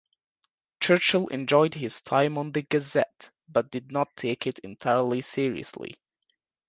Churchill enjoyed his time on the "Gazette" but did not take it entirely seriously.